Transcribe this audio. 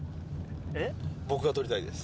僕が撮りたいです。